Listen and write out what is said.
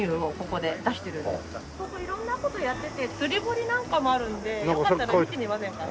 ここ色んな事やってて釣り堀なんかもあるのでよかったら見てみませんか？